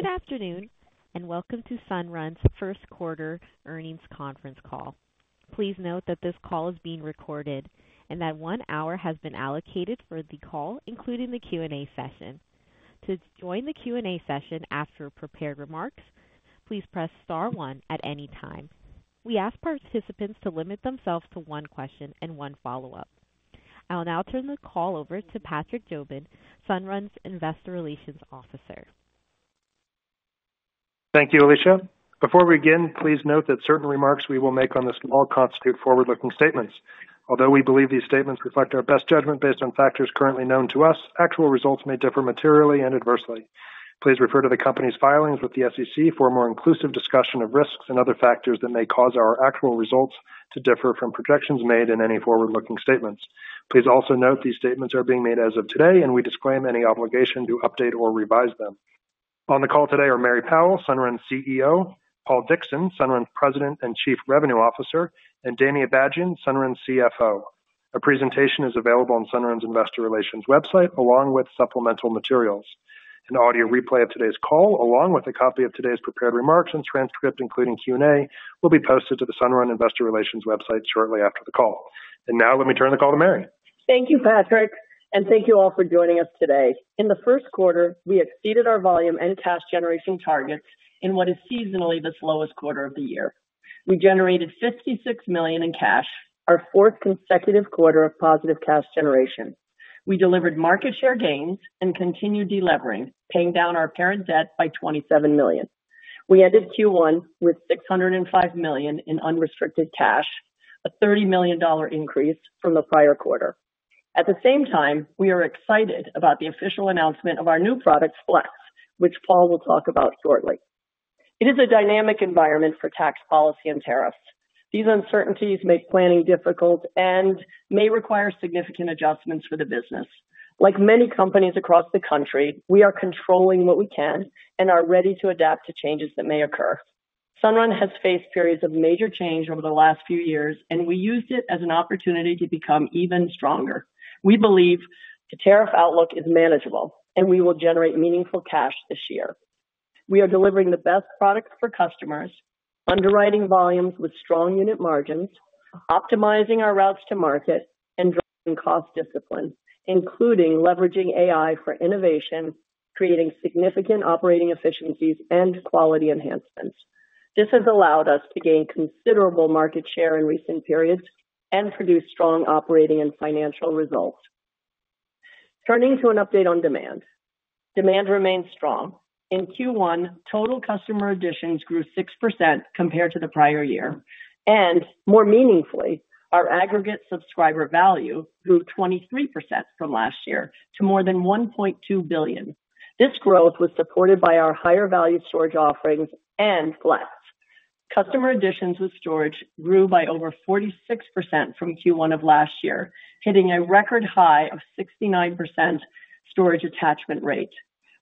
Good afternoon, and welcome to Sunrun's first quarter earnings conference call. Please note that this call is being recorded and that one hour has been allocated for the call, including the Q&A session. To join the Q&A session after prepared remarks, please press star one at any time. We ask participants to limit themselves to one question and one follow-up. I'll now turn the call over to Patrick Jobin, Sunrun's Investor Relations Officer. Thank you, Alicia. Before we begin, please note that certain remarks we will make on this call constitute forward-looking statements. Although we believe these statements reflect our best judgment based on factors currently known to us, actual results may differ materially and adversely. Please refer to the company's filings with the SEC for a more inclusive discussion of risks and other factors that may cause our actual results to differ from projections made in any forward-looking statements. Please also note these statements are being made as of today, and we disclaim any obligation to update or revise them. On the call today are Mary Powell, Sunrun CEO; Paul Dickson, Sunrun's President and Chief Revenue Officer; and Danny Abajian, Sunrun CFO. A presentation is available on Sunrun's Investor Relations website, along with supplemental materials. An audio replay of today's call, along with a copy of today's prepared remarks and transcript, including Q&A, will be posted to the Sunrun Investor Relations website shortly after the call. Now, let me turn the call to Mary. Thank you, Patrick, and thank you all for joining us today. In the first quarter, we exceeded our volume and cash generation targets in what is seasonally the slowest quarter of the year. We generated $56 million in cash, our fourth consecutive quarter of positive cash generation. We delivered market share gains and continued delevering, paying down our parent debt by $27 million. We ended Q1 with $605 million in unrestricted cash, a $30 million increase from the prior quarter. At the same time, we are excited about the official announcement of our new product, Flex, which Paul will talk about shortly. It is a dynamic environment for tax policy and tariffs. These uncertainties make planning difficult and may require significant adjustments for the business. Like many companies across the country, we are controlling what we can and are ready to adapt to changes that may occur. Sunrun has faced periods of major change over the last few years, and we used it as an opportunity to become even stronger. We believe the tariff outlook is manageable, and we will generate meaningful cash this year. We are delivering the best products for customers, underwriting volumes with strong unit margins, optimizing our routes to market, and driving cost discipline, including leveraging AI for innovation, creating significant operating efficiencies, and quality enhancements. This has allowed us to gain considerable market share in recent periods and produce strong operating and financial results. Turning to an update on demand, demand remains strong. In Q1, total customer additions grew 6% compared to the prior year. More meaningfully, our aggregate subscriber value grew 23% from last year to more than $1.2 billion. This growth was supported by our higher-value storage offerings and Flex. Customer additions with storage grew by over 46% from Q1 of last year, hitting a record high of 69% storage attachment rate.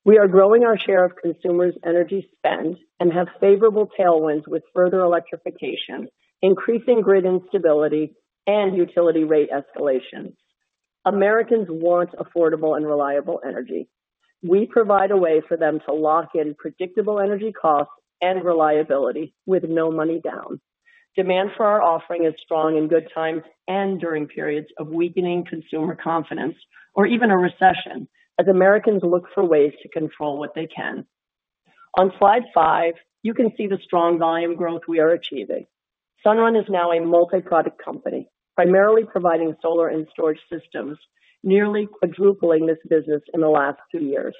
We are growing our share of consumers' energy spend and have favorable tailwinds with further electrification, increasing grid instability, and utility rate escalations. Americans want affordable and reliable energy. We provide a way for them to lock in predictable energy costs and reliability with no money down. Demand for our offering is strong in good times and during periods of weakening consumer confidence or even a recession, as Americans look for ways to control what they can. On slide five, you can see the strong volume growth we are achieving. Sunrun is now a multi-product company, primarily providing solar and storage systems, nearly quadrupling this business in the last two years.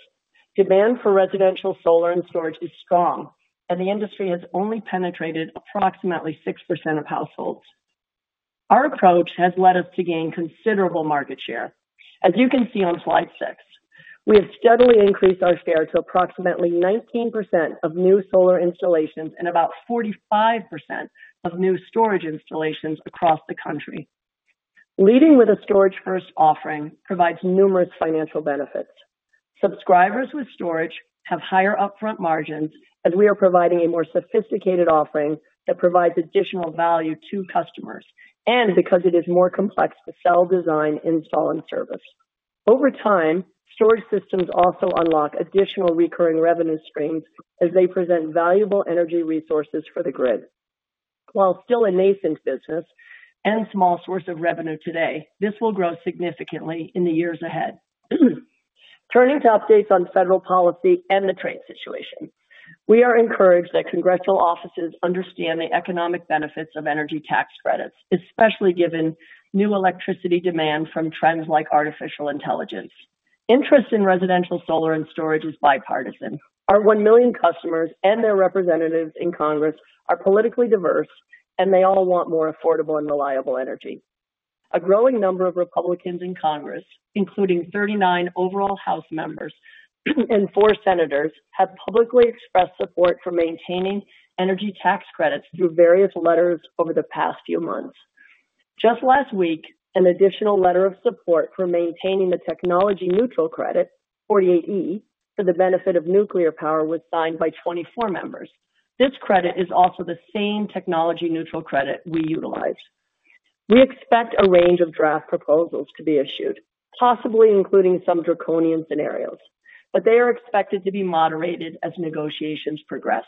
Demand for residential solar and storage is strong, and the industry has only penetrated approximately 6% of households. Our approach has led us to gain considerable market share. As you can see on slide six, we have steadily increased our share to approximately 19% of new solar installations and about 45% of new storage installations across the country. Leading with a storage-first offering provides numerous financial benefits. Subscribers with storage have higher upfront margins as we are providing a more sophisticated offering that provides additional value to customers and because it is more complex to sell, design, install, and service. Over time, storage systems also unlock additional recurring revenue streams as they present valuable energy resources for the grid. While still a nascent business and small source of revenue today, this will grow significantly in the years ahead. Turning to updates on federal policy and the trade situation, we are encouraged that congressional offices understand the economic benefits of energy tax credits, especially given new electricity demand from trends like artificial intelligence. Interest in residential solar and storage is bipartisan. Our 1 million customers and their representatives in Congress are politically diverse, and they all want more affordable and reliable energy. A growing number of Republicans in Congress, including 39 overall House members and four senators, have publicly expressed support for maintaining energy tax credits through various letters over the past few months. Just last week, an additional letter of support for maintaining the technology-neutral credit, 48E, for the benefit of nuclear power was signed by 24 members. This credit is also the same technology-neutral credit we utilized. We expect a range of draft proposals to be issued, possibly including some draconian scenarios, but they are expected to be moderated as negotiations progress.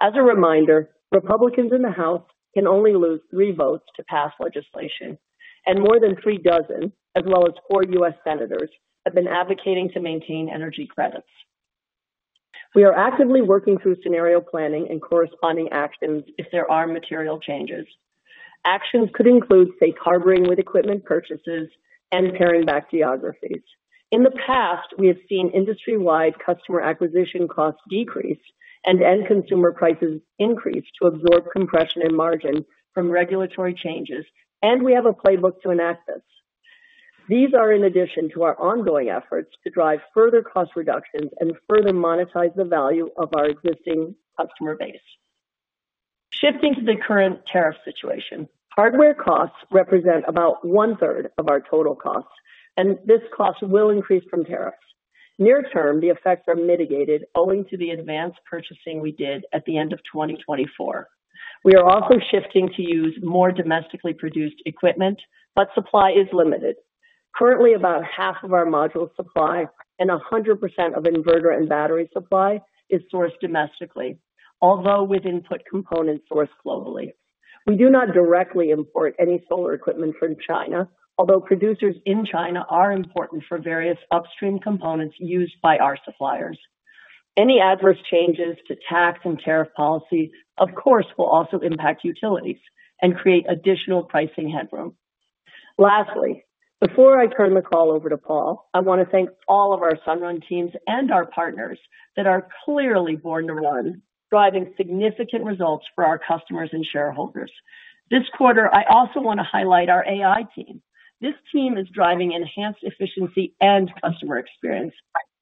As a reminder, Republicans in the House can only lose three votes to pass legislation, and more than three dozen, as well as four U.S. senators, have been advocating to maintain energy credits. We are actively working through scenario planning and corresponding actions if there are material changes. Actions could include, say, harboring with equipment purchases and paring back geographies. In the past, we have seen industry-wide customer acquisition costs decrease and end consumer prices increase to absorb compression in margin from regulatory changes, and we have a playbook to enact this. These are in addition to our ongoing efforts to drive further cost reductions and further monetize the value of our existing customer base. Shifting to the current tariff situation, hardware costs represent about one-third of our total costs, and this cost will increase from tariffs. Near term, the effects are mitigated owing to the advanced purchasing we did at the end of 2024. We are also shifting to use more domestically produced equipment, but supply is limited. Currently, about half of our module supply and 100% of inverter and battery supply is sourced domestically, although with input components sourced globally. We do not directly import any solar equipment from China, although producers in China are important for various upstream components used by our suppliers. Any adverse changes to tax and tariff policy, of course, will also impact utilities and create additional pricing headroom. Lastly, before I turn the call over to Paul, I want to thank all of our Sunrun teams and our partners that are clearly born to run, driving significant results for our customers and shareholders. This quarter, I also want to highlight our AI team. This team is driving enhanced efficiency and customer experience.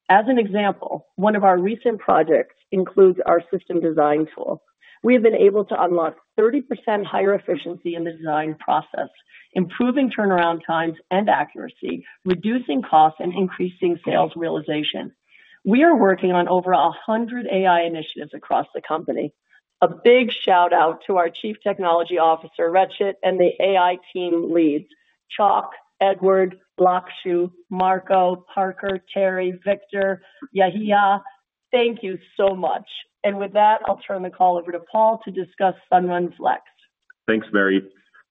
As an example, one of our recent projects includes our system design tool. We have been able to unlock 30% higher efficiency in the design process, improving turnaround times and accuracy, reducing costs, and increasing sales realization. We are working on over 100 AI initiatives across the company. A big shout-out to our Chief Technology Officer, Rajesh, and the AI team leads, Chuck, Edward, Lakshu, Marco, Parker, Terry, Victor, Yahia. Thank you so much. With that, I'll turn the call over to Paul to discuss Sunrun Flex. Thanks, Mary.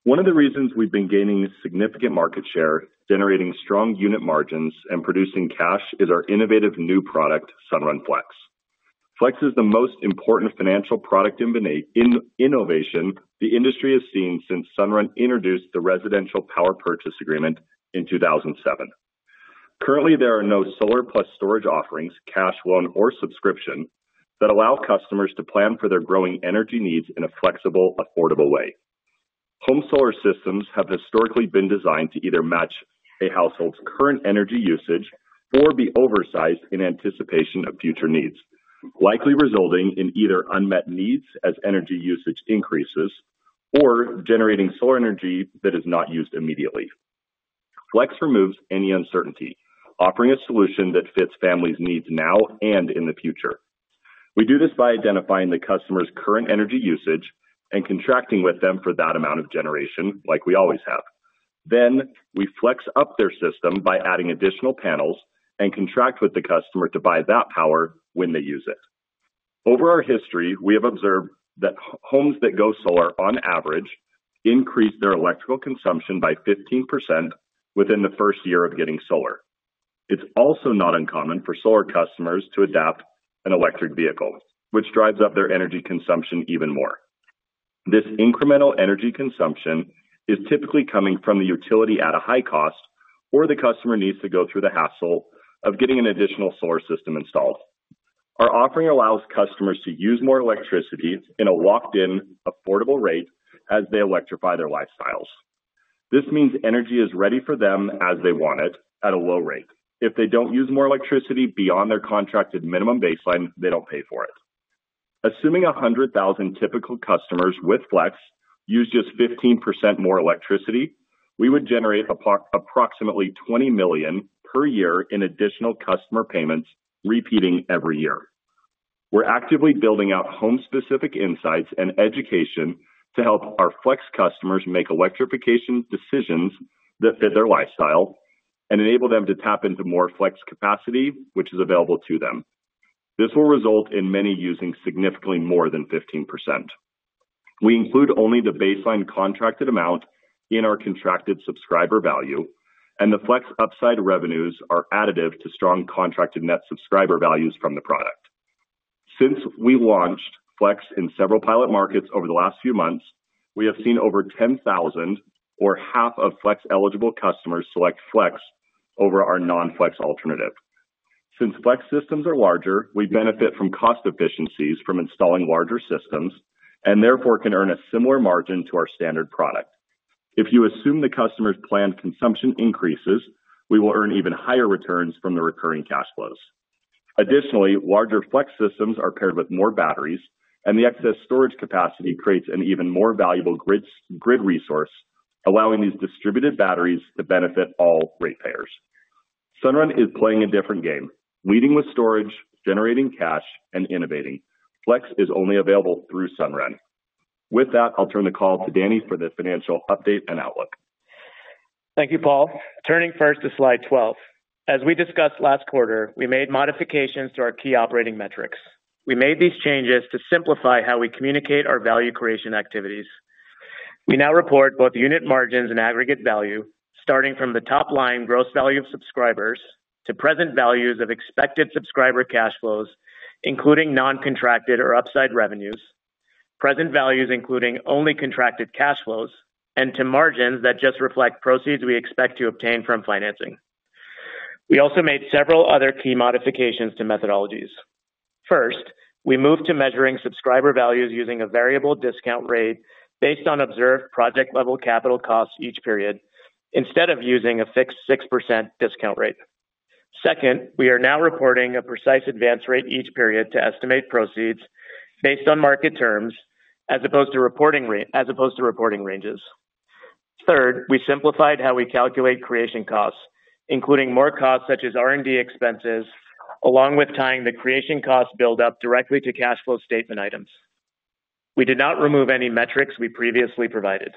One of the reasons we've been gaining significant market share, generating strong unit margins, and producing cash is our innovative new product, Sunrun Flex. Flex is the most important financial product innovation the industry has seen since Sunrun introduced the Residential Power Purchase Agreement in 2007. Currently, there are no solar plus storage offerings, cash loan, or subscription that allow customers to plan for their growing energy needs in a flexible, affordable way. Home solar systems have historically been designed to either match a household's current energy usage or be oversized in anticipation of future needs, likely resulting in either unmet needs as energy usage increases or generating solar energy that is not used immediately. Flex removes any uncertainty, offering a solution that fits families' needs now and in the future. We do this by identifying the customer's current energy usage and contracting with them for that amount of generation, like we always have. Then we flex up their system by adding additional panels and contract with the customer to buy that power when they use it. Over our history, we have observed that homes that go solar, on average, increase their electrical consumption by 15% within the first year of getting solar. It's also not uncommon for solar customers to adopt an electric vehicle, which drives up their energy consumption even more. This incremental energy consumption is typically coming from the utility at a high cost, or the customer needs to go through the hassle of getting an additional solar system installed. Our offering allows customers to use more electricity at a locked-in, affordable rate as they electrify their lifestyles. This means energy is ready for them as they want it at a low rate. If they do not use more electricity beyond their contracted minimum baseline, they do not pay for it. Assuming 100,000 typical customers with Flex use just 15% more electricity, we would generate approximately $20 million per year in additional customer payments repeating every year. We are actively building out home-specific insights and education to help our Flex customers make electrification decisions that fit their lifestyle and enable them to tap into more Flex capacity, which is available to them. This will result in many using significantly more than 15%. We include only the baseline contracted amount in our contracted subscriber value, and the Flex upside revenues are additive to strong contracted net subscriber values from the product. Since we launched Flex in several pilot markets over the last few months, we have seen over 10,000, or half of Flex-eligible customers, select Flex over our non-Flex alternative. Since Flex systems are larger, we benefit from cost efficiencies from installing larger systems and therefore can earn a similar margin to our standard product. If you assume the customer's planned consumption increases, we will earn even higher returns from the recurring cash flows. Additionally, larger Flex systems are paired with more batteries, and the excess storage capacity creates an even more valuable grid resource, allowing these distributed batteries to benefit all ratepayers. Sunrun is playing a different game, leading with storage, generating cash, and innovating. Flex is only available through Sunrun. With that, I'll turn the call to Danny for the financial update and outlook. Thank you, Paul. Turning first to slide 12. As we discussed last quarter, we made modifications to our key operating metrics. We made these changes to simplify how we communicate our value creation activities. We now report both unit margins and aggregate value, starting from the top line gross value of subscribers to present values of expected subscriber cash flows, including non-contracted or upside revenues, present values including only contracted cash flows, and to margins that just reflect proceeds we expect to obtain from financing. We also made several other key modifications to methodologies. First, we moved to measuring subscriber values using a variable discount rate based on observed project-level capital costs each period instead of using a fixed 6% discount rate. Second, we are now reporting a precise advance rate each period to estimate proceeds based on market terms as opposed to reporting ranges. Third, we simplified how we calculate creation costs, including more costs such as R&D expenses, along with tying the creation cost build-up directly to cash flow statement items. We did not remove any metrics we previously provided.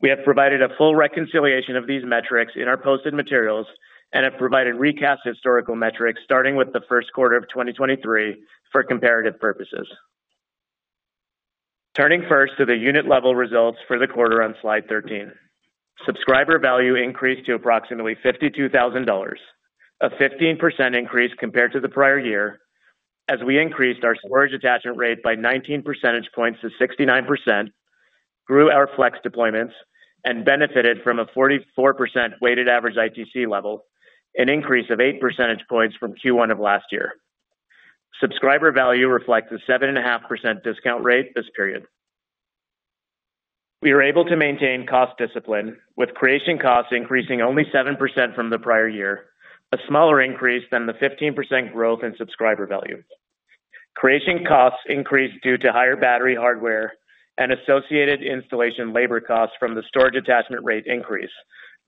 We have provided a full reconciliation of these metrics in our posted materials and have provided recast historical metrics starting with the first quarter of 2023 for comparative purposes. Turning first to the unit-level results for the quarter on slide 13, subscriber value increased to approximately $52,000, a 15% increase compared to the prior year. As we increased our storage attachment rate by 19 percentage points to 69%, grew our Flex deployments and benefited from a 44% weighted average ITC level, an increase of 8 percentage points from Q1 of last year. Subscriber value reflects a 7.5% discount rate this period. We were able to maintain cost discipline with creation costs increasing only 7% from the prior year, a smaller increase than the 15% growth in subscriber value. Creation costs increased due to higher battery hardware and associated installation labor costs from the storage attachment rate increase,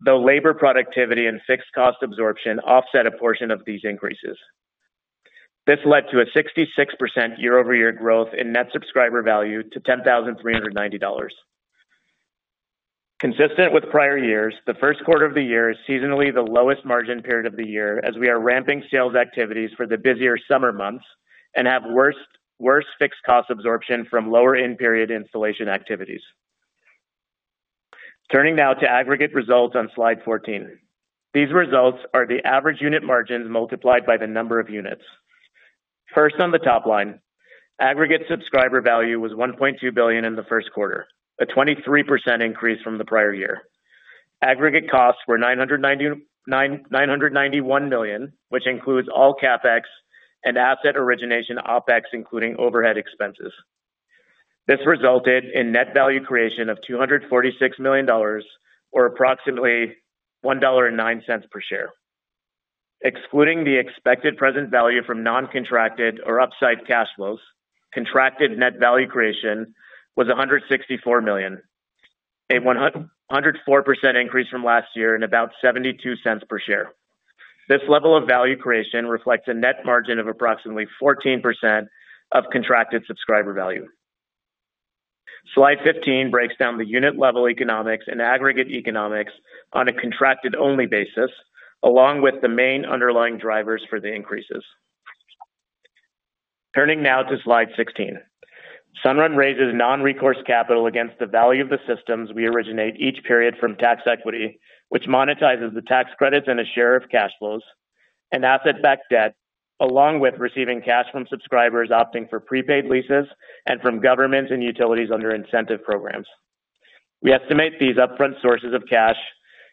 though labor productivity and fixed cost absorption offset a portion of these increases. This led to a 66% year-over-year growth in net subscriber value to $10,390. Consistent with prior years, the first quarter of the year is seasonally the lowest margin period of the year as we are ramping sales activities for the busier summer months and have worse fixed cost absorption from lower-end period installation activities. Turning now to aggregate results on slide 14. These results are the average unit margins multiplied by the number of units. First, on the top line, aggregate subscriber value was $1.2 billion in the first quarter, a 23% increase from the prior year. Aggregate costs were $991 million, which includes all CapEx and asset origination OpEx, including overhead expenses. This resulted in net value creation of $246 million, or approximately $1.09 per share. Excluding the expected present value from non-contracted or upside cash flows, contracted net value creation was $164 million, a 104% increase from last year and about $0.72 per share. This level of value creation reflects a net margin of approximately 14% of contracted subscriber value. Slide 15 breaks down the unit-level economics and aggregate economics on a contracted-only basis, along with the main underlying drivers for the increases. Turning now to slide 16, Sunrun raises non-recourse capital against the value of the systems we originate each period from tax equity, which monetizes the tax credits and a share of cash flows and asset-backed debt, along with receiving cash from subscribers opting for prepaid leases and from governments and utilities under incentive programs. We estimate these upfront sources of cash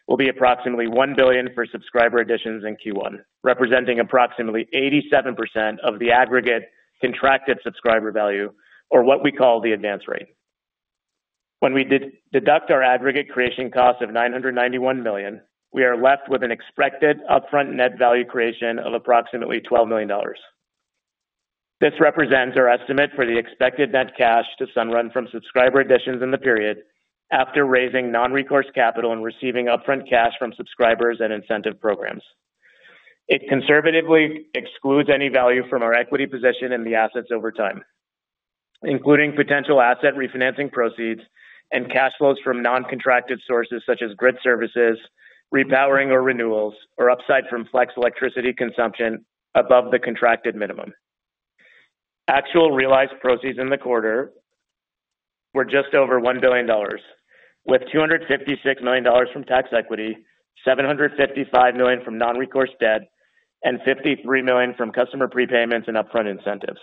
will be approximately $1 billion for subscriber additions in Q1, representing approximately 87% of the aggregate contracted subscriber value, or what we call the advance rate. When we deduct our aggregate creation cost of $991 million, we are left with an expected upfront net value creation of approximately $12 million. This represents our estimate for the expected net cash to Sunrun from subscriber additions in the period after raising non-recourse capital and receiving upfront cash from subscribers and incentive programs. It conservatively excludes any value from our equity position in the assets over time, including potential asset refinancing proceeds and cash flows from non-contracted sources such as grid services, repowering or renewals, or upside from Flex electricity consumption above the contracted minimum. Actual realized proceeds in the quarter were just over $1 billion, with $256 million from tax equity, $755 million from non-recourse debt, and $53 million from customer prepayments and upfront incentives.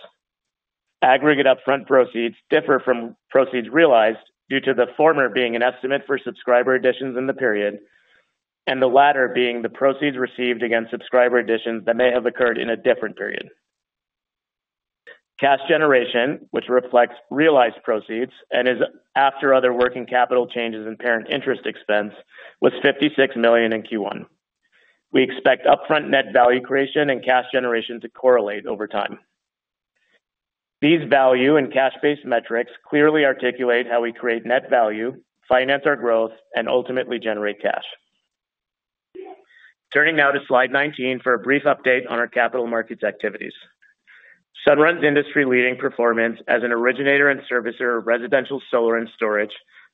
Aggregate upfront proceeds differ from proceeds realized due to the former being an estimate for subscriber additions in the period and the latter being the proceeds received against subscriber additions that may have occurred in a different period. Cash generation, which reflects realized proceeds and is after other working capital changes and parent interest expense, was $56 million in Q1. We expect upfront net value creation and cash generation to correlate over time. These value and cash-based metrics clearly articulate how we create net value, finance our growth, and ultimately generate cash. Turning now to slide 19 for a brief update on our capital markets activities. Sunrun's industry-leading performance as an originator and servicer of residential solar and storage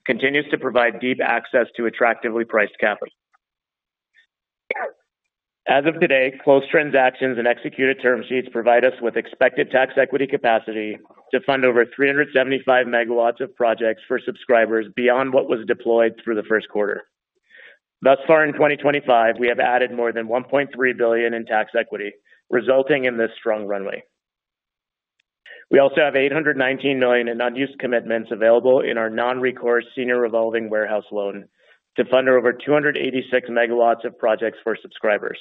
continues to provide deep access to attractively priced capital. As of today, closed transactions and executed term sheets provide us with expected tax equity capacity to fund over 375 megawatts of projects for subscribers beyond what was deployed through the first quarter. Thus far in 2025, we have added more than $1.3 billion in tax equity, resulting in this strong runway. We also have $819 million in unused commitments available in our non-recourse senior revolving warehouse loan to fund over 286 megawatts of projects for subscribers.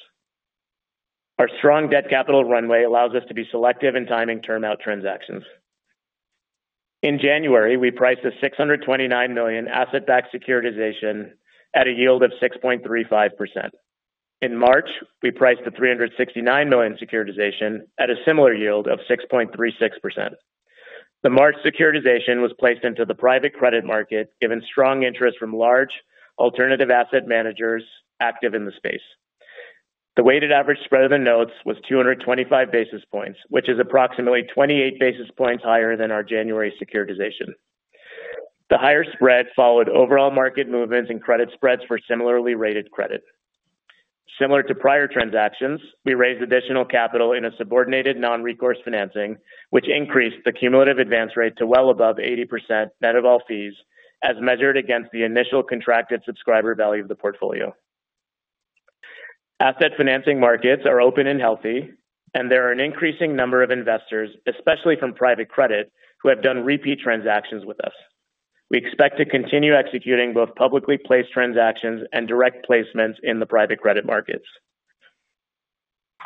Our strong debt capital runway allows us to be selective in timing term-out transactions. In January, we priced a $629 million asset-backed securitization at a yield of 6.35%. In March, we priced a $369 million securitization at a similar yield of 6.36%. The March securitization was placed into the private credit market, given strong interest from large alternative asset managers active in the space. The weighted average spread of the notes was 225 basis points, which is approximately 28 basis points higher than our January securitization. The higher spread followed overall market movements and credit spreads for similarly rated credit. Similar to prior transactions, we raised additional capital in a subordinated non-recourse financing, which increased the cumulative advance rate to well above 80% net of all fees as measured against the initial contracted subscriber value of the portfolio. Asset financing markets are open and healthy, and there are an increasing number of investors, especially from private credit, who have done repeat transactions with us. We expect to continue executing both publicly placed transactions and direct placements in the private credit markets.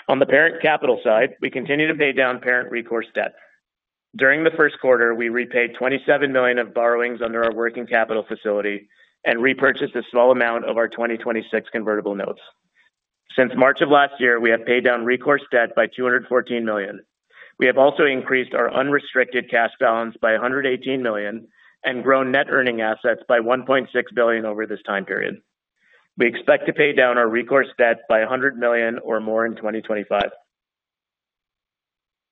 On the parent capital side, we continue to pay down parent recourse debt. During the first quarter, we repaid $27 million of borrowings under our working capital facility and repurchased a small amount of our 2026 convertible notes. Since March of last year, we have paid down recourse debt by $214 million. We have also increased our unrestricted cash balance by $118 million and grown net earning assets by $1.6 billion over this time period. We expect to pay down our recourse debt by $100 million or more in 2025.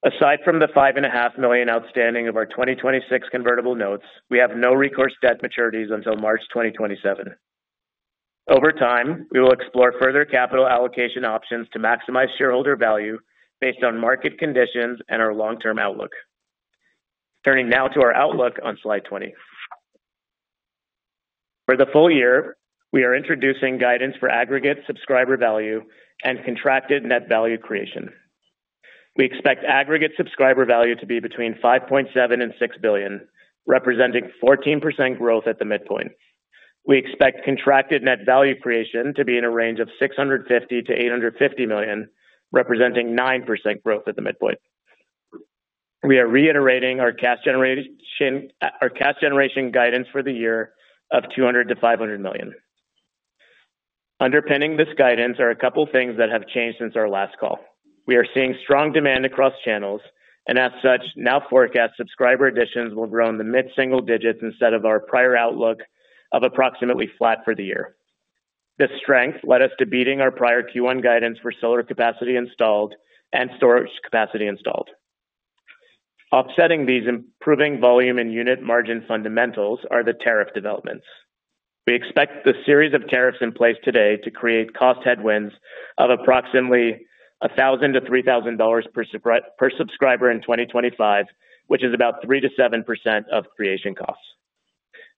Aside from the $5.5 million outstanding of our 2026 convertible notes, we have no recourse debt maturities until March 2027. Over time, we will explore further capital allocation options to maximize shareholder value based on market conditions and our long-term outlook. Turning now to our outlook on slide 20. For the full year, we are introducing guidance for aggregate subscriber value and contracted net value creation. We expect aggregate subscriber value to be between $5.7 billion and $6 billion, representing 14% growth at the midpoint. We expect contracted net value creation to be in a range of $650 million-$850 million, representing 9% growth at the midpoint. We are reiterating our cash generation guidance for the year of $200 million-$500 million. Underpinning this guidance are a couple of things that have changed since our last call. We are seeing strong demand across channels, and as such, now forecast subscriber additions will grow in the mid-single digits instead of our prior outlook of approximately flat for the year. This strength led us to beating our prior Q1 guidance for solar capacity installed and storage capacity installed. Offsetting these improving volume and unit margin fundamentals are the tariff developments. We expect the series of tariffs in place today to create cost headwinds of approximately $1,000-$3,000 per subscriber in 2025, which is about 3%-7% of creation costs.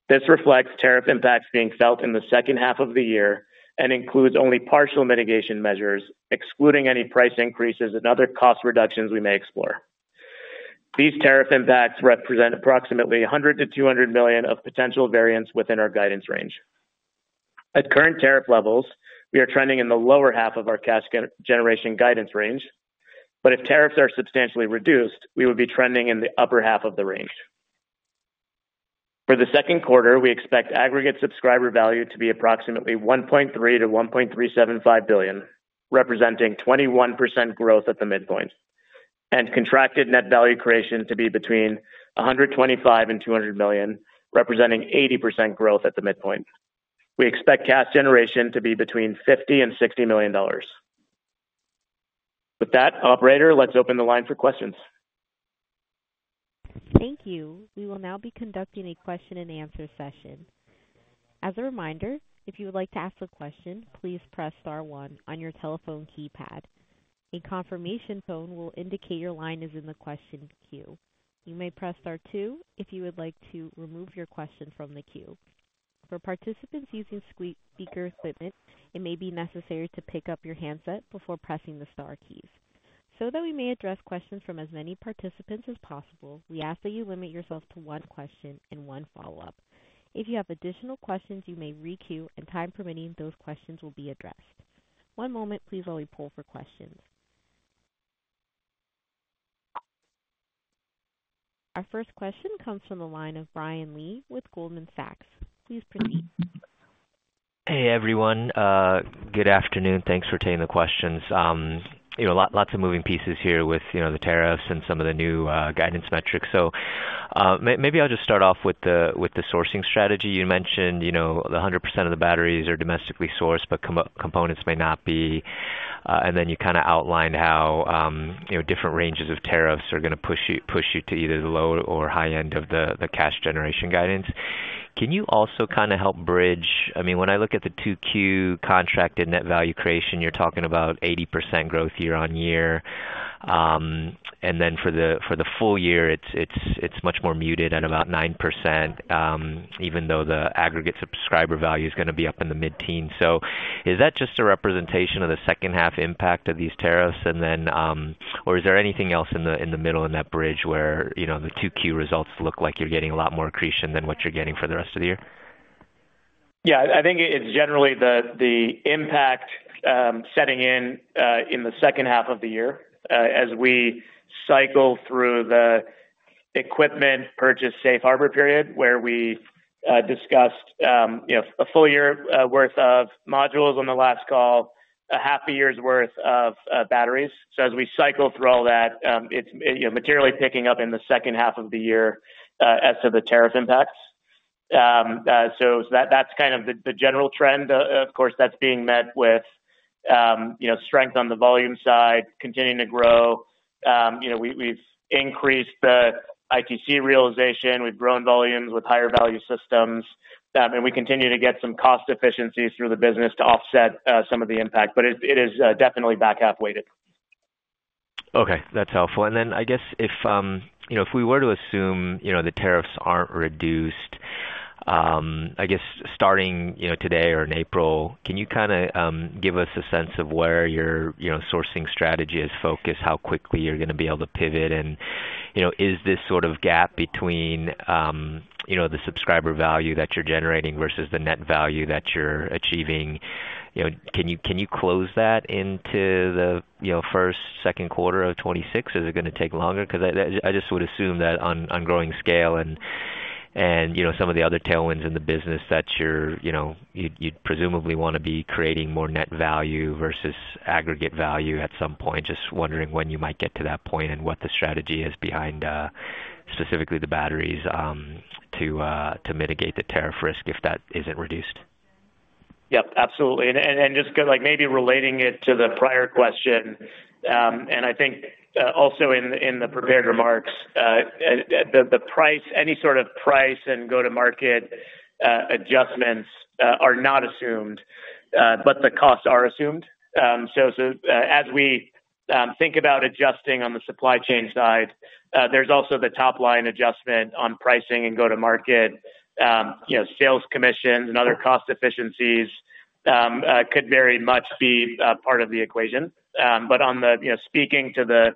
This reflects tariff impacts being felt in the second half of the year and includes only partial mitigation measures, excluding any price increases and other cost reductions we may explore. These tariff impacts represent approximately $100-$200 million of potential variance within our guidance range. At current tariff levels, we are trending in the lower half of our cash generation guidance range, but if tariffs are substantially reduced, we would be trending in the upper half of the range. For the second quarter, we expect aggregate subscriber value to be approximately $1.3 billion-$1.375 billion, representing 21% growth at the midpoint, and contracted net value creation to be between $125 million and $200 million, representing 80% growth at the midpoint. We expect cash generation to be between $50 million and $60 million. With that, Operator, let's open the line for questions. Thank you. We will now be conducting a question and answer session. As a reminder, if you would like to ask a question, please press star one on your telephone keypad. A confirmation tone will indicate your line is in the question queue. You may press star two if you would like to remove your question from the queue. For participants using speaker equipment, it may be necessary to pick up your handset before pressing the star keys. So that we may address questions from as many participants as possible, we ask that you limit yourself to one question and one follow-up. If you have additional questions, you may re-queue, and time permitting, those questions will be addressed. One moment, please, while we pull for questions. Our first question comes from the line of Brian Lee with Goldman Sachs. Please proceed. Hey, everyone. Good afternoon. Thanks for taking the questions. Lots of moving pieces here with the tariffs and some of the new guidance metrics. Maybe I'll just start off with the sourcing strategy. You mentioned that 100% of the batteries are domestically sourced, but components may not be. You kind of outlined how different ranges of tariffs are going to push you to either the low or high end of the cash generation guidance. Can you also kind of help bridge? I mean, when I look at the 2Q contracted net value creation, you're talking about 80% growth year-on-year. Then for the full year, it's much more muted at about 9%, even though the aggregate subscriber value is going to be up in the mid-teens. Is that just a representation of the second-half impact of these tariffs, or is there anything else in the middle in that bridge where the 2Q results look like you're getting a lot more accretion than what you're getting for the rest of the year? Yeah, I think it's generally the impact setting in in the second half of the year as we cycle through the equipment purchase safe harbor period where we discussed a full year's worth of modules on the last call, a half a year's worth of batteries. As we cycle through all that, it's materially picking up in the second half of the year as to the tariff impacts. That's kind of the general trend. Of course, that's being met with strength on the volume side, continuing to grow. We've increased the ITC realization. We've grown volumes with higher value systems. We continue to get some cost efficiencies through the business to offset some of the impact, but it is definitely back half weighted. Okay. That's helpful. If we were to assume the tariffs aren't reduced, I guess starting today or in April, can you kind of give us a sense of where your sourcing strategy is focused, how quickly you're going to be able to pivot, and is this sort of gap between the subscriber value that you're generating versus the net value that you're achieving? Can you close that into the first, second quarter of 2026? Is it going to take longer? Because I just would assume that on growing scale and some of the other tailwinds in the business that you'd presumably want to be creating more net value versus aggregate value at some point. Just wondering when you might get to that point and what the strategy is behind specifically the batteries to mitigate the tariff risk if that isn't reduced. Yep. Absolutely. And just maybe relating it to the prior question, and I think also in the prepared remarks, any sort of price and go-to-market adjustments are not assumed, but the costs are assumed. As we think about adjusting on the supply chain side, there's also the top-line adjustment on pricing and go-to-market. Sales commissions and other cost efficiencies could very much be part of the equation. Speaking to the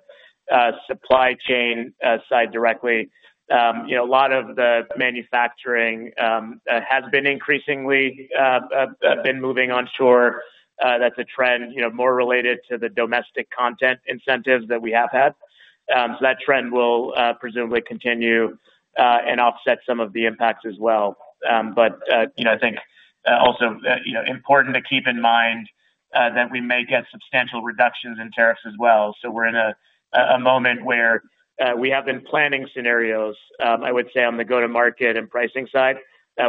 supply chain side directly, a lot of the manufacturing has been increasingly moving onshore. That is a trend more related to the domestic content incentives that we have had. That trend will presumably continue and offset some of the impact as well. I think also important to keep in mind that we may get substantial reductions in tariffs as well. We are in a moment where we have been planning scenarios, I would say, on the go-to-market and pricing side.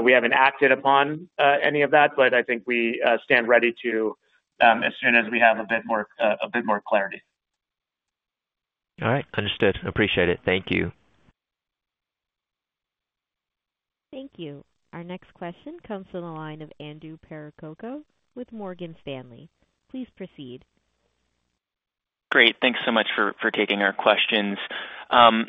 We have not acted upon any of that, but I think we stand ready to as soon as we have a bit more clarity. All right. Understood. Appreciate it. Thank you. Thank you. Our next question comes from the line of Andrew Percoco with Morgan Stanley. Please proceed. Great. Thanks so much for taking our questions.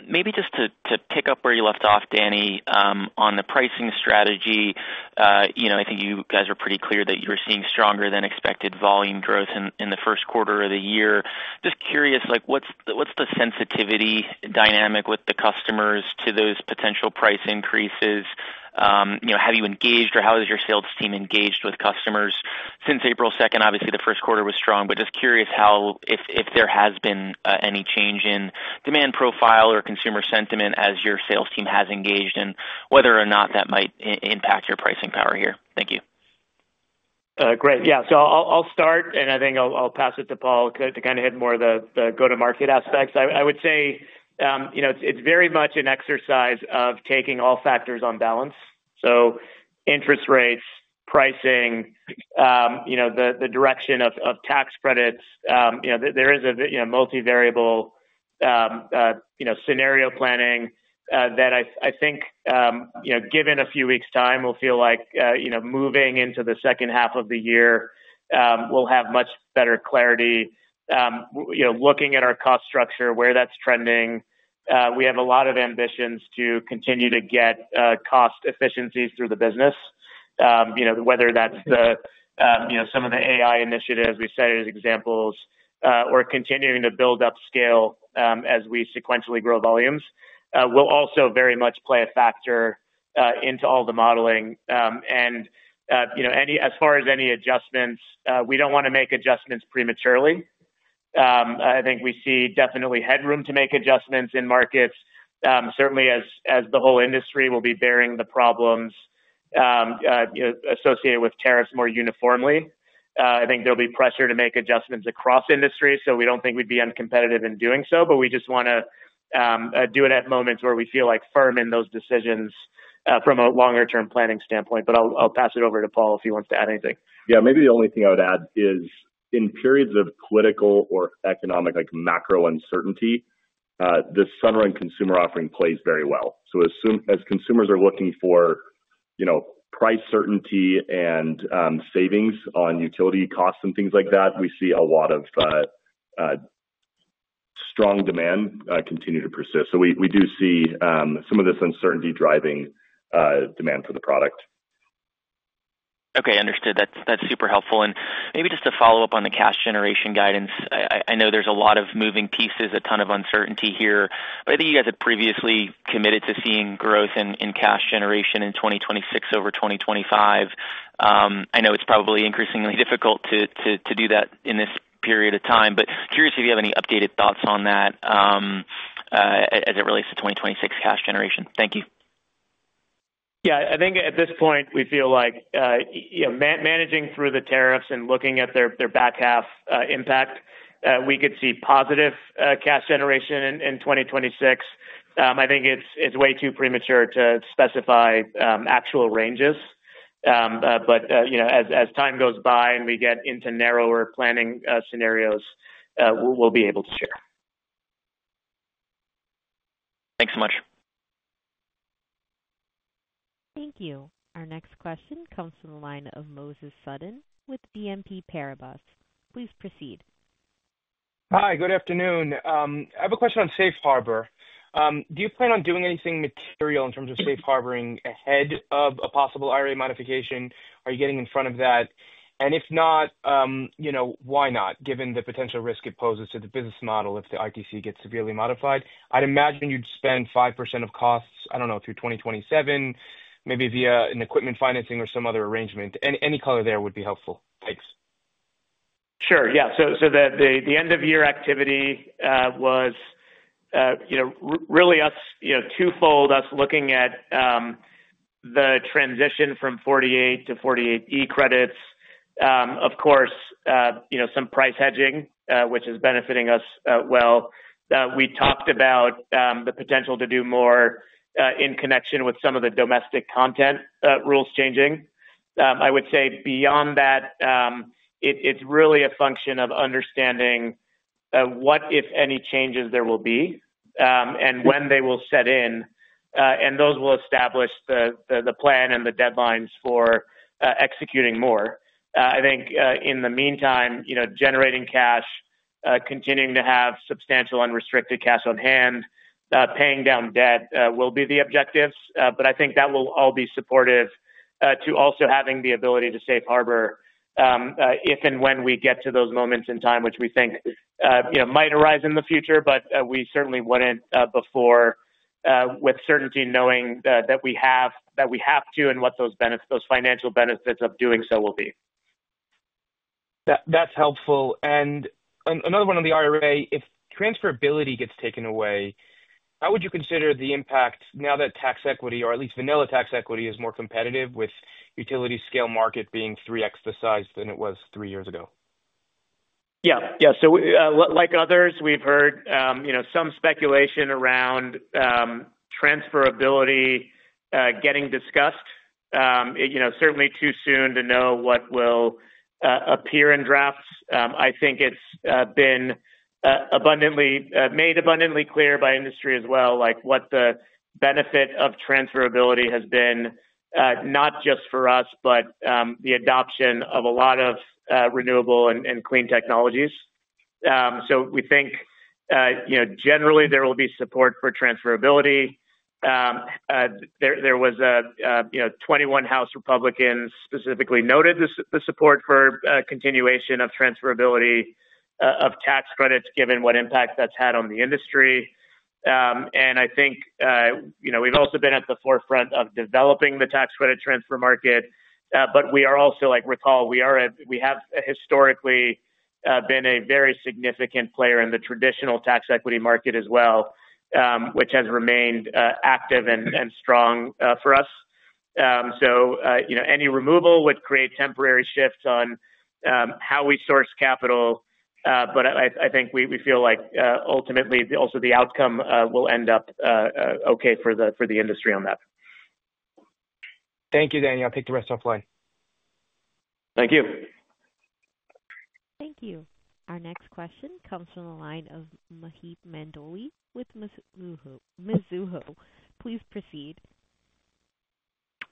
Maybe just to pick up where you left off, Danny, on the pricing strategy, I think you guys were pretty clear that you were seeing stronger-than-expected volume growth in the first quarter of the year. Just curious, what's the sensitivity dynamic with the customers to those potential price increases? Have you engaged, or how has your sales team engaged with customers? Since April 2nd, obviously, the first quarter was strong, but just curious if there has been any change in demand profile or consumer sentiment as your sales team has engaged and whether or not that might impact your pricing power here. Thank you. Great. Yeah. So I'll start, and I think I'll pass it to Paul to kind of hit more of the go-to-market aspects. I would say it's very much an exercise of taking all factors on balance. So interest rates, pricing, the direction of tax credits. There is a multivariable scenario planning that I think, given a few weeks' time, we'll feel like moving into the second half of the year will have much better clarity. Looking at our cost structure, where that's trending, we have a lot of ambitions to continue to get cost efficiencies through the business, whether that's some of the AI initiatives we cited as examples or continuing to build up scale as we sequentially grow volumes. Will also very much play a factor into all the modeling. As far as any adjustments, we don't want to make adjustments prematurely. I think we see definitely headroom to make adjustments in markets, certainly as the whole industry will be bearing the problems associated with tariffs more uniformly. I think there'll be pressure to make adjustments across industries, so we do not think we'd be uncompetitive in doing so, but we just want to do it at moments where we feel firm in those decisions from a longer-term planning standpoint. I will pass it over to Paul if he wants to add anything. Yeah. Maybe the only thing I would add is in periods of political or economic macro uncertainty, the Sunrun consumer offering plays very well. As consumers are looking for price certainty and savings on utility costs and things like that, we see a lot of strong demand continue to persist. We do see some of this uncertainty driving demand for the product. Okay. Understood. That is super helpful. Maybe just to follow up on the cash generation guidance, I know there are a lot of moving pieces, a ton of uncertainty here. I think you guys had previously committed to seeing growth in cash generation in 2026 over 2025. I know it's probably increasingly difficult to do that in this period of time, but curious if you have any updated thoughts on that as it relates to 2026 cash generation. Thank you. Yeah. I think at this point, we feel like managing through the tariffs and looking at their back half impact, we could see positive cash generation in 2026. I think it's way too premature to specify actual ranges. But as time goes by and we get into narrower planning scenarios, we'll be able to share. Thanks so much. Thank you. Our next question comes from the line of Moses Sutton with BNP Paribas. Please proceed. Hi. Good afternoon. I have a question on safe harbor. Do you plan on doing anything material in terms of safe harboring ahead of a possible IRA modification? Are you getting in front of that? If not, why not, given the potential risk it poses to the business model if the ITC gets severely modified? I'd imagine you'd spend 5% of costs, I don't know, through 2027, maybe via an equipment financing or some other arrangement. Any color there would be helpful. Thanks. Sure. Yeah. The end-of-year activity was really twofold, us looking at the transition from 48 to 48E credits. Of course, some price hedging, which is benefiting us well. We talked about the potential to do more in connection with some of the domestic content rules changing. I would say beyond that, it's really a function of understanding what, if any, changes there will be and when they will set in. Those will establish the plan and the deadlines for executing more. I think in the meantime, generating cash, continuing to have substantial unrestricted cash on hand, paying down debt will be the objectives. I think that will all be supportive to also having the ability to safe harbor if and when we get to those moments in time, which we think might arise in the future, but we certainly would not before with certainty knowing that we have to and what those financial benefits of doing so will be. That is helpful. Another one on the IRA, if transferability gets taken away, how would you consider the impact now that tax equity, or at least vanilla tax equity, is more competitive with utility scale market being three times the size than it was three years ago? Yeah. Like others, we have heard some speculation around transferability getting discussed. Certainly too soon to know what will appear in drafts. I think it's been made abundantly clear by industry as well what the benefit of transferability has been, not just for us, but the adoption of a lot of renewable and clean technologies. We think generally there will be support for transferability. There were 21 House Republicans specifically noted the support for continuation of transferability of tax credits given what impact that's had on the industry. I think we've also been at the forefront of developing the tax credit transfer market. We are also, like with Paul, we have historically been a very significant player in the traditional tax equity market as well, which has remained active and strong for us. Any removal would create temporary shifts on how we source capital. But I think we feel like ultimately also the outcome will end up okay for the industry on that. Thank you, Danny. I'll take the rest offline. Thank you. Thank you. Our next question comes from the line of Maheep Mandloi with Mizuho. Please proceed.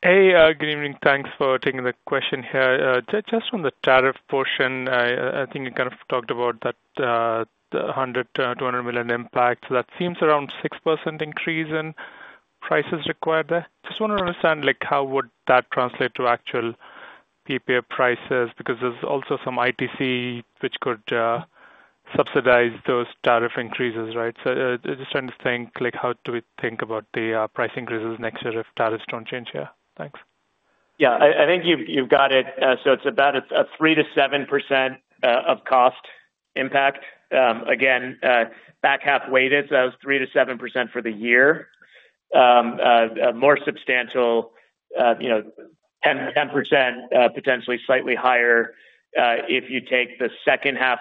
Hey, good evening. Thanks for taking the question here. Just on the tariff portion, I think you kind of talked about that $100 million-$200 million impact. So that seems around 6% increase in prices required there. Just want to understand how would that translate to actual PPA prices? Because there's also some ITC which could subsidize those tariff increases, right? So just trying to think how do we think about the price increases next year if tariffs don't change here. Thanks. Yeah. I think you've got it. So it's about a 3%-7% of cost impact. Again, back half weighted. That was 3-7% for the year. More substantial, 10%, potentially slightly higher if you take the second half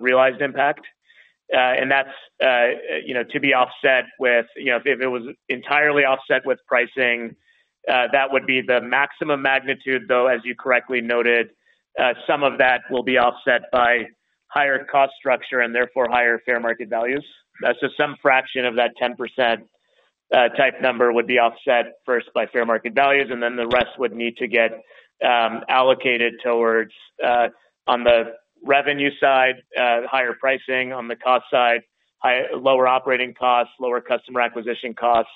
realized impact. That is to be offset with, if it was entirely offset with pricing, that would be the maximum magnitude, though, as you correctly noted, some of that will be offset by higher cost structure and therefore higher fair market values. Some fraction of that 10% type number would be offset first by fair market values, and then the rest would need to get allocated towards, on the revenue side, higher pricing, on the cost side, lower operating costs, lower customer acquisition costs,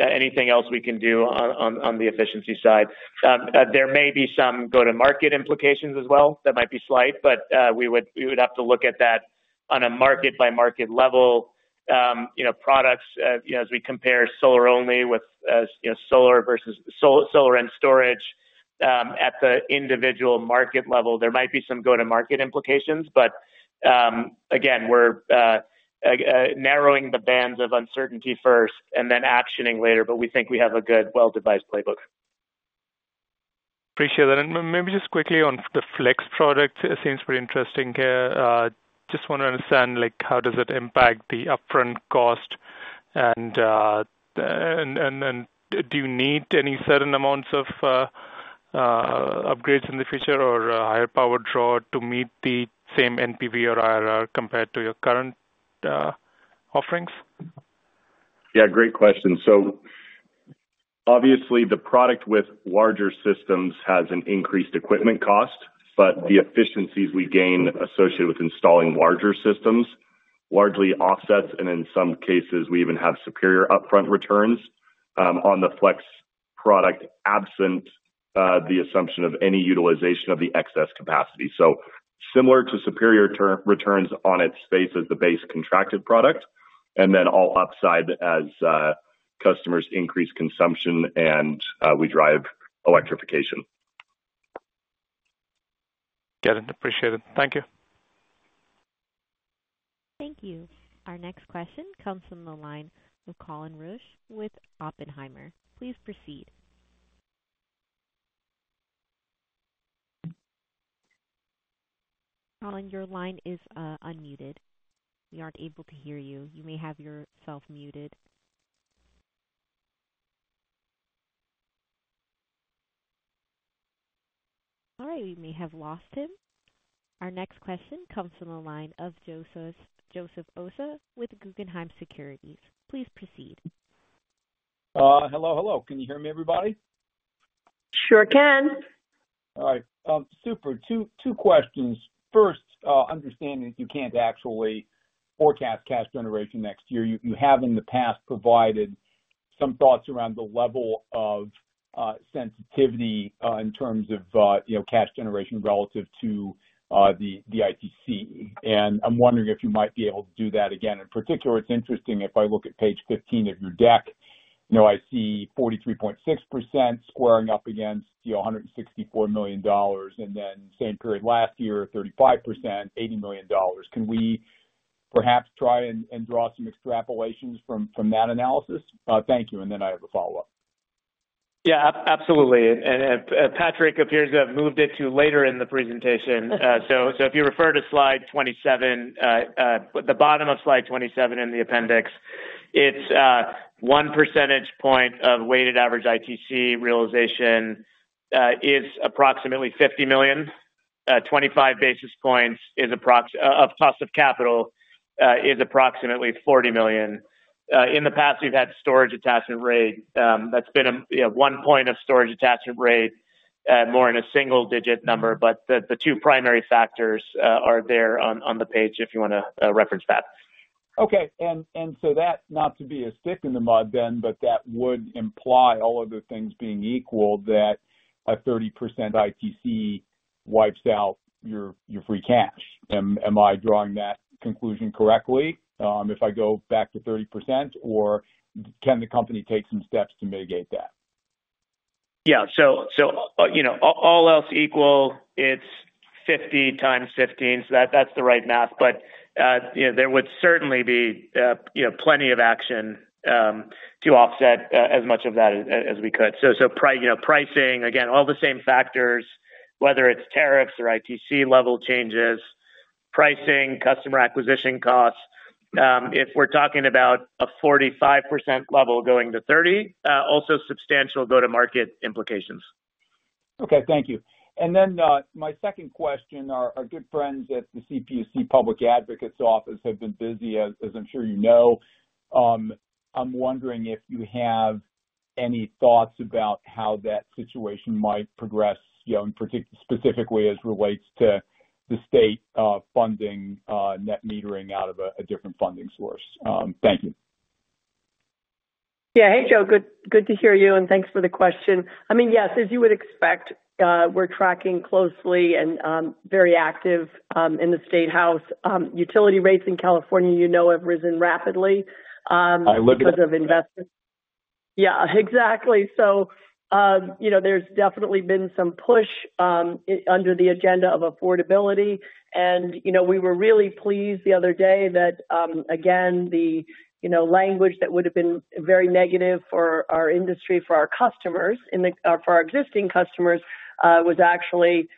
anything else we can do on the efficiency side. There may be some go-to-market implications as well that might be slight, but we would have to look at that on a market-by-market level. Products, as we compare solar-only with solar and storage at the individual market level, there might be some go-to-market implications. Again, we're narrowing the bands of uncertainty first and then actioning later, but we think we have a good, well-devised playbook. Appreciate that. Maybe just quickly on the Flex product, it seems pretty interesting here. Just want to understand how does it impact the upfront cost, and do you need any certain amounts of upgrades in the future or a higher power draw to meet the same NPV or IRR compared to your current offerings? Yeah. Great question. Obviously, the product with larger systems has an increased equipment cost, but the efficiencies we gain associated with installing larger systems largely offsets, and in some cases, we even have superior upfront returns on the Flex product absent the assumption of any utilization of the excess capacity. So similar to superior returns on its face as the base contracted product, and then all upside as customers increase consumption an we drive electrification. Got it. Appreciate it. Thank you. Thank you. Our next question comes from the line of Colin Rusch with Oppenheimer. Please proceed. Colin, your line is unmuted. We aren't able to hear you. You may have yourself muted. All right. We may have lost him. Our next question comes from the line of Joseph Osha with Guggenheim Securities. Please proceed. Hello. Hello. Can you hear me, everybody? Sure can. All right. Super. Two questions. First, understanding that you can't actually forecast cash generation next year, you have in the past provided some thoughts around the level of sensitivity in terms of cash generation relative to the ITC. And I'm wondering if you might be able to do that again. In particular, it's interesting if I look at page 15 of your deck, I see 43.6% squaring up against $164 million, and then same period last year, 35%, $80 million. Can we perhaps try and draw some extrapolations from that analysis? Thank you. I have a follow-up. Yeah. Absolutely. Patrick appears to have moved it to later in the presentation. If you refer to slide 27, the bottom of slide 27 in the appendix, it's one percentage point of weighted average ITC realization is approximately $50 million. Twenty-five basis points of cost of capital is approximately $40 million. In the past, we've had storage attachment rate. That's been one point of storage attachment rate, more in a single-digit number. The two primary factors are there on the page if you want to reference that. Okay. That, not to be a stick in the mud then, but that would imply all other things being equal, that a 30% ITC wipes out your free cash. Am I drawing that conclusion correctly if I go back to 30%, or can the company take some steps to mitigate that? Yeah. All else equal, it's 50 times 15. That's the right math. There would certainly be plenty of action to offset as much of that as we could. Pricing, again, all the same factors, whether it's tariffs or ITC level changes, pricing, customer acquisition costs. If we're talking about a 45% level going to 30, also substantial go-to-market implications. Okay. Thank you. My second question, our good friends at the CPUC Public Advocates Office have been busy, as I'm sure you know. I'm wondering if you have any thoughts about how that situation might progress, specifically as it relates to the state funding net metering out of a different funding source. Thank you. Yeah. Hey, Joe. Good to hear you. And thanks for the question. I mean, yes, as you would expect, we're tracking closely and very active in the State House. Utility rates in California, you know, have risen rapidly because of investment. Yeah. Exactly. There has definitely been some push under the agenda of affordability. We were really pleased the other day that, again, the language that would have been very negative for our industry, for our customers, for our existing customers, was actually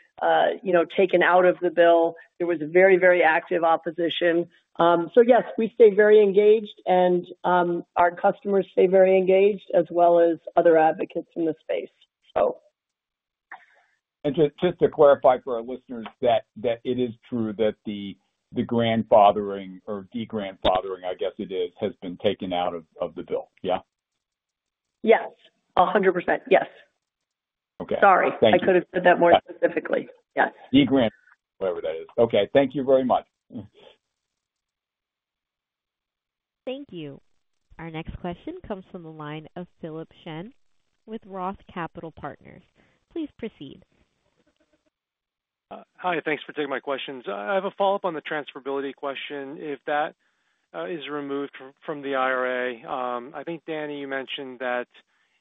taken out of the bill. There was very, very active opposition. Yes, we stay very engaged, and our customers stay very engaged as well as other advocates in the space. Just to clarify for our listeners, it is true that the grandfathering or de-grandfathering, I guess it is, has been taken out of the bill. Yeah? Yes. 100%. Yes. Sorry. I could have said that more specifically. Yes. De-grandfathering, whatever that is. Okay. Thank you very much. Thank you. Our next question comes from the line of Philip Shen with Roth Capital Partners. Please proceed. Hi. Thanks for taking my questions. I have a follow-up on the transferability question. If that is removed from the IRA, I think, Danny, you mentioned that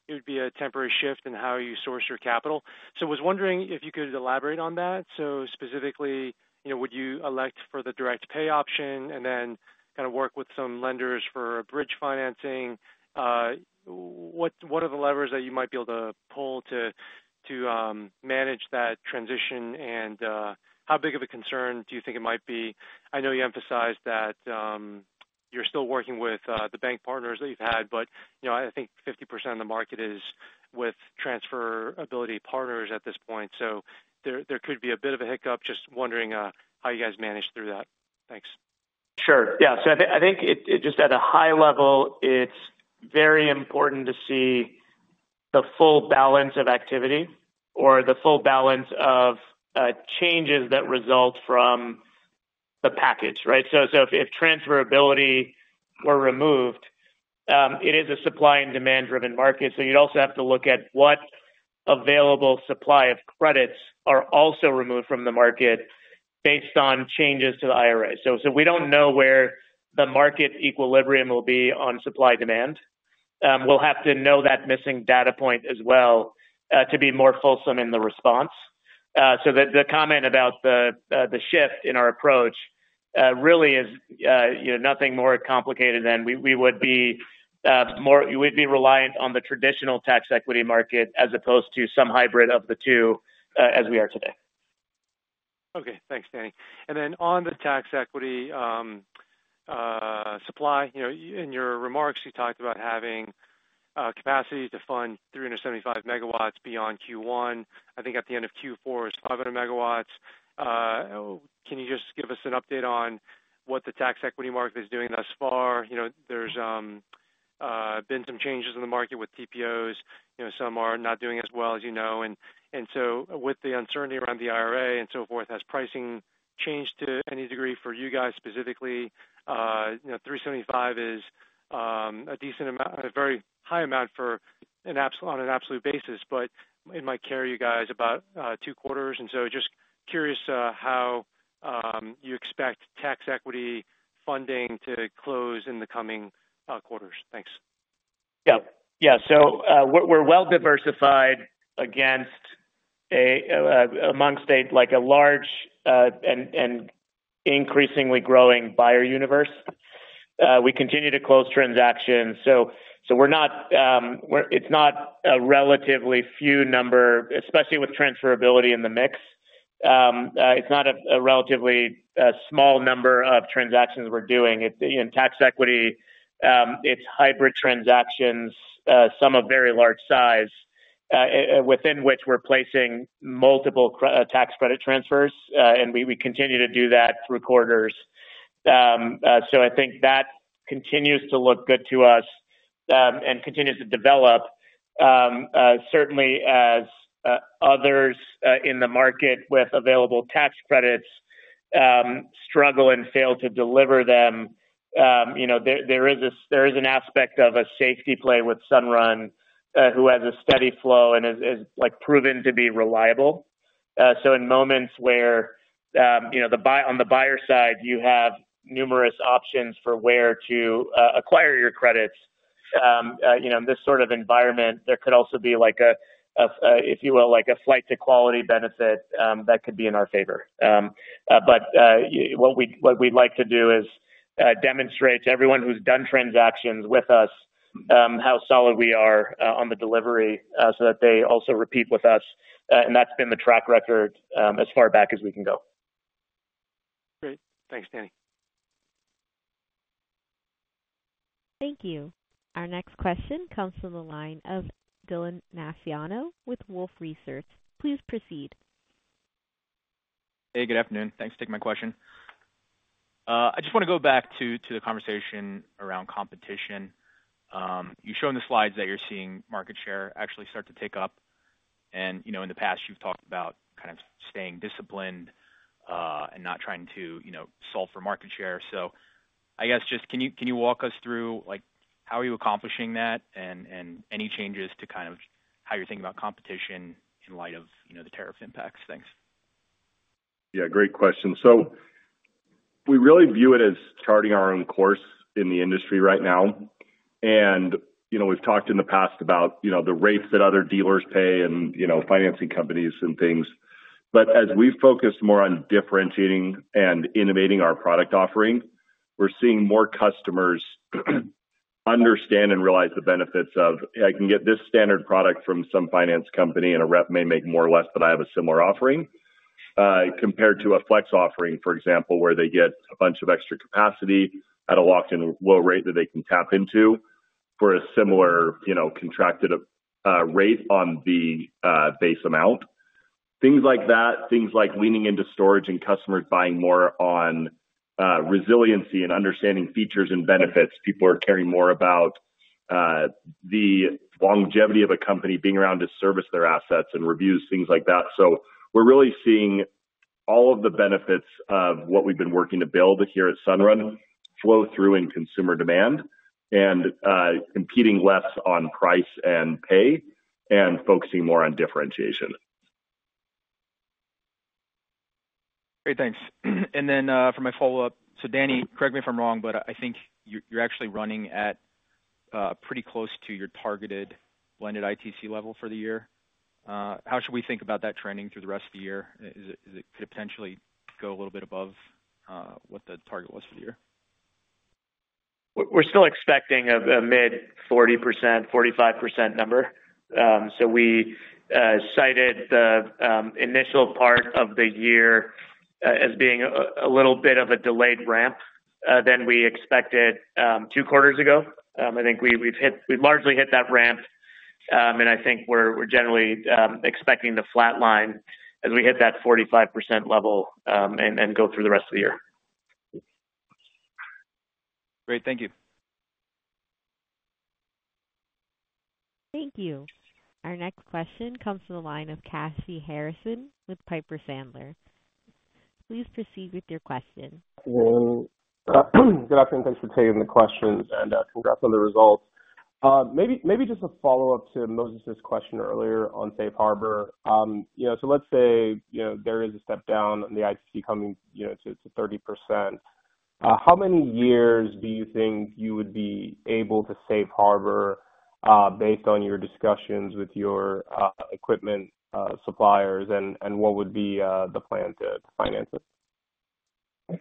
it would be a temporary shift in how you source your capital. I was wondering if you could elaborate on that. Specifically, would you elect for the direct pay option and then kind of work with some lenders for bridge financing? What are the levers that you might be able to pull to manage that transition, and how big of a concern do you think it might be? I know you emphasized that you're still working with the bank partners that you've had, but I think 50% of the market is with transferability partners at this point. There could be a bit of a hiccup. Just wondering how you guys manage through that. Thanks. Sure. Yeah. I think just at a high level, it's very important to see the full balance of activity or the full balance of changes that result from the package, right? If transferability were removed, it is a supply and demand-driven market. You'd also have to look at what available supply of credits are also removed from the market based on changes to the IRA. We do not know where the market equilibrium will be on supply-demand. We will have to know that missing data point as well to be more fulsome in the response. The comment about the shift in our approach really is nothing more complicated than we would be more reliant on the traditional tax equity market as opposed to some hybrid of the two as we are today. Okay. Thanks, Danny. Then on the tax equity supply, in your remarks, you talked about having capacity to fund 375 megawatts beyond Q1. I think at the end of Q4, it is 500 megawatts. Can you just give us an update on what the tax equity market is doing thus far? There have been some changes in the market with TPOs. Some are not doing as well, as you know. With the uncertainty around the IRA and so forth, has pricing changed to any degree for you guys specifically? $375 million is a decent amount, a very high amount on an absolute basis, but it might carry you guys about two quarters. I am just curious how you expect tax equity funding to close in the coming quarters. Thanks. Yeah. We are well-diversified against a large and increasingly growing buyer universe. We continue to close transactions. It is not a relatively few number, especially with transferability in the mix. It is not a relatively small number of transactions we are doing. In tax equity, it is hybrid transactions, some of very large size, within which we are placing multiple tax credit transfers. We continue to do that through quarters. I think that continues to look good to us and continues to develop. Certainly, as others in the market with available tax credits struggle and fail to deliver them, there is an aspect of a safety play with Sunrun, who has a steady flow and is proven to be reliable. In moments where on the buyer side, you have numerous options for where to acquire your credits, in this sort of environment, there could also be, if you will, a flight to quality benefit that could be in our favor. What we'd like to do is demonstrate to everyone who's done transactions with us how solid we are on the delivery so that they also repeat with us. That's been the track record as far back as we can go. Great. Thanks, Danny. Thank you. Our next question comes from the line of Dylan Massiano with Wolfe Research. Please proceed. Hey. Good afternoon. Thanks for taking my question. I just want to go back to the conversation around competition. You show in the slides that you're seeing market share actually start to tick up. And in the past, you've talked about kind of staying disciplined and not trying to solve for market share. So I guess just can you walk us through how are you accomplishing that and any changes to kind of how you're thinking about competition in light of the tariff impacts? Thanks. Yeah. Great question. We really view it as charting our own course in the industry right now. And we've talked in the past about the rates that other dealers pay and financing companies and things. As we've focused more on differentiating and innovating our product offering, we're seeing more customers understand and realize the benefits of, "I can get this standard product from some finance company, and a rep may make more or less, but I have a similar offering," compared to a Flex offering, for example, where they get a bunch of extra capacity at a locked-in low rate that they can tap into for a similar contracted rate on the base amount. Things like that, things like leaning into storage and customers buying more on resiliency and understanding features and benefits. People are caring more about the longevity of a company being around to service their assets and reviews, things like that. We're really seeing all of the benefits of what we've been working to build here at Sunrun flow through in consumer demand and competing less on price and pay and focusing more on differentiation. Great. Thanks. For my follow-up, Danny, correct me if I'm wrong, but I think you're actually running at pretty close to your targeted blended ITC level for the year. How should we think about that trending through the rest of the year? Could it potentially go a little bit above what the target was for the year? We're still expecting a mid 40%, 45% number. We cited the initial part of the year as being a little bit of a delayed ramp than we expected two quarters ago. I think we've largely hit that ramp. I think we're generally expecting the flat line as we hit that 45% level and go through the rest of the year. Great. Thank you. Thank you. Our next question comes from the line of Cassie Harrison with Piper Sandler. Please proceed with your question. Good afternoon. Thanks for taking the questions and congrats on the results. Maybe just a follow-up to Moses's question earlier on Safe Harbor. Let's say there is a step down in the ITC coming to 30%. How many years do you think you would be able to Safe Harbor based on your discussions with your equipment suppliers, and what would be the plan to finance it?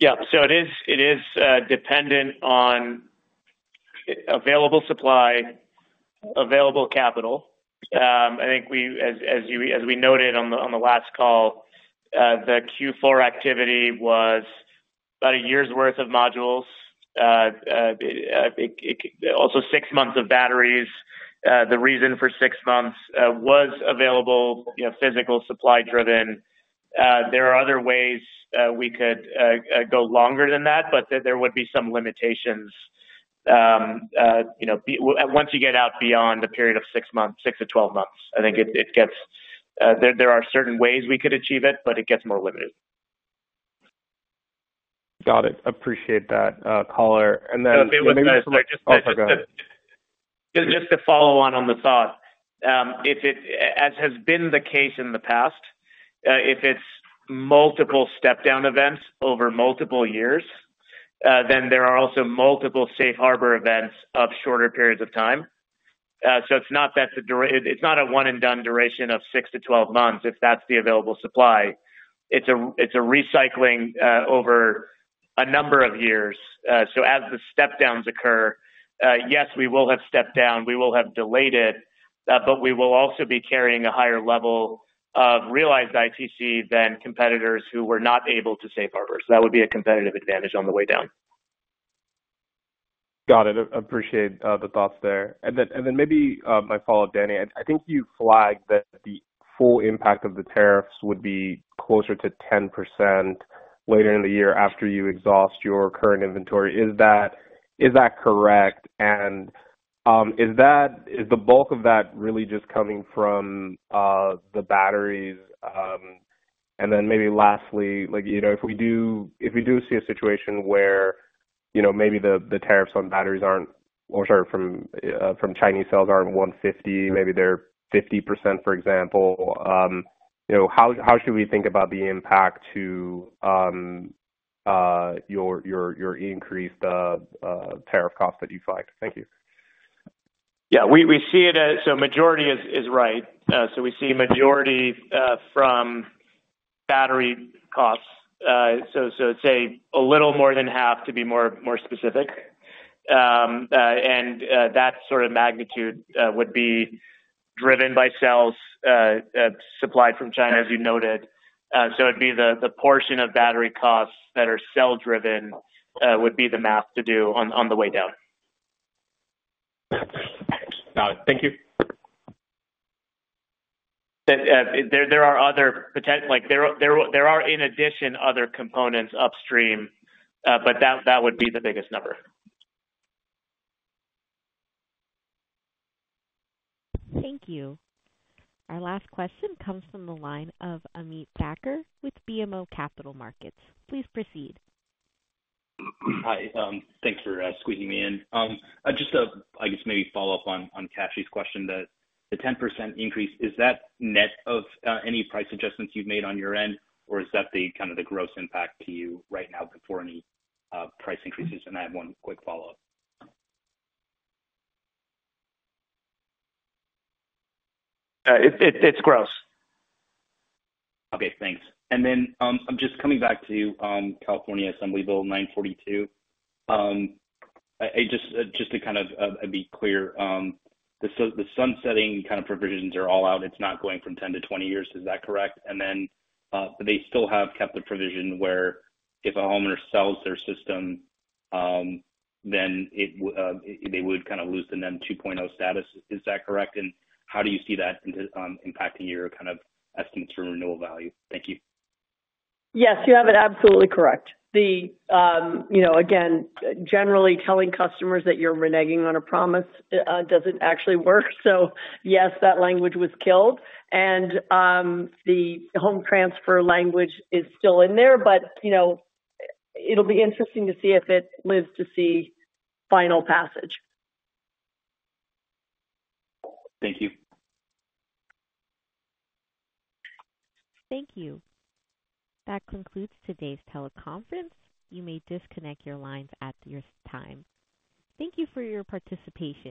Yeah. It is dependent on available supply, available capital. I think, as we noted on the last call, the Q4 activity was about a year's worth of modules, also six months of batteries. The reason for six months was available physical supply-driven. There are other ways we could go longer than that, but there would be some limitations once you get out beyond the period of six to twelve months. I think there are certain ways we could achieve it, but it gets more limited. Got it. Appreciate that, Collar. Just to follow on on the thought, as has been the case in the past, if it is multiple step-down events over multiple years, then there are also multiple Safe Harbor events of shorter periods of time. It is not a one-and-done duration of six to twelve months if that is the available supply. It is a recycling over a number of years. As the step-downs occur, yes, we will have stepped down. We will have delayed it, but we will also be carrying a higher level of realized ITC than competitors who were not able to Safe Harbor. That would be a competitive advantage on the way down. Got it. Appreciate the thoughts there. Maybe my follow-up, Danny. I think you flagged that the full impact of the tariffs would be closer to 10% later in the year after you exhaust your current inventory. Is that correct? Is the bulk of that really just coming from the batteries? Lastly, if we do see a situation where maybe the tariffs on batteries are not—or sorry, from Chinese sales are not 150, maybe they are 50%, for example, how should we think about the impact to your increased tariff costs that you flagged? Thank you. Yeah. Majority is right. We see majority from battery costs. It is a little more than half, to be more specific. That sort of magnitude would be driven by cells supplied from China, as you noted. It would be the portion of battery costs that are cell-driven that would be the math to do on the way down. Got it. Thank you. There are, in addition, other components upstream, but that would be the biggest number. Thank you. Our last question comes from the line of Amit Dakkar with BMO Capital Markets. Please proceed. Hi. Thanks for squeezing me in. Just a, I guess, maybe follow-up on Cassie's question, that the 10% increase, is that net of any price adjustments you have made on your end, or is that kind of the gross impact to you right now before any price increases? I have one quick follow-up. It is gross. Okay. Thanks. I am just coming back to California Assembly Bill 942. Just to kind of be clear, the sunsetting kind of provisions are all out. It is not going from 10 to 20 years. Is that correct? They still have kept the provision where if a homeowner sells their system, then they would kind of lose the NEM 2.0 status. Is that correct? How do you see that impacting your kind of estimates for renewal value? Thank you. Yes. You have it absolutely correct. Again, generally telling customers that you are reneging on a promise does not actually work. Yes, that language was killed. The home transfer language is still in there, but it will be interesting to see if it lives to see final passage. Thank you. Thank you. That concludes today's teleconference. You may disconnect your lines at your time. Thank you for your participation.